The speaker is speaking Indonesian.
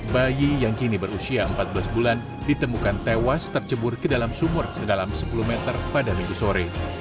bayi yang kini berusia empat belas bulan ditemukan tewas tercebur ke dalam sumur sedalam sepuluh meter pada minggu sore